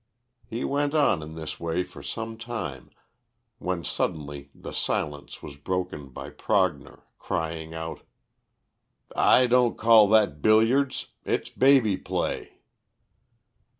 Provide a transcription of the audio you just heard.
He went on in this way for some time, when suddenly the silence was broken by Prognor crying out "I don't call that billiards. It's baby play."